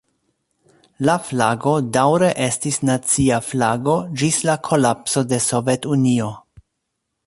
La flago daŭre estis nacia flago ĝis la kolapso de Sovetunio.